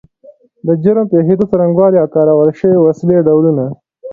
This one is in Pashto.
د جرم پیښېدو څرنګوالی او کارول شوې وسلې ډولونه